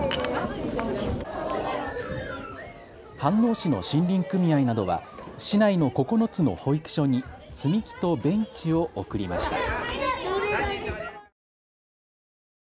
飯能市の森林組合などは市内の９つの保育所に積み木とベンチを贈りました。